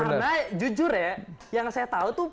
karena jujur ya yang saya tahu tuh